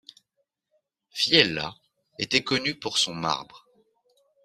Viella était connu pour son marbre.